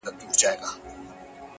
دوه قدمه فاصله ده ستا تر وصله,